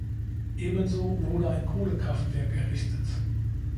Ebenso wurde ein Kohlekraftwerk errichtet.